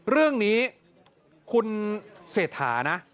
เรื่องนี้คุณเศรษฐานะ